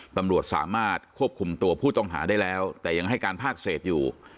ตำรวจสามารถควบคุมตัวผู้ต้องหาได้แล้วแต่ยังให้การภาคเศษอยู่